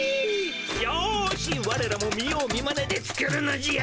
よしわれらも見よう見まねで作るのじゃ。